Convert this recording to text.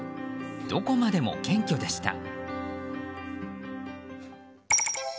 どこまでも謙虚でした。